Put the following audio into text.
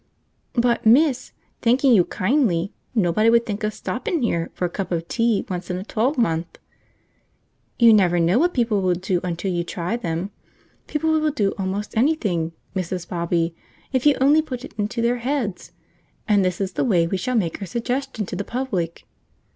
"But, miss, thanking you kindly, nobody would think of stoppin' 'ere for a cup of tea once in a twelvemonth." "You never know what people will do until you try them. People will do almost anything, Mrs. Bobby, if you only put it into their heads, and this is the way we shall make our suggestion to the public.